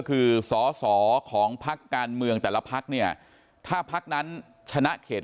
คือสอสอของพักการเมืองแต่ละพักเนี่ยถ้าพักนั้นชนะเขต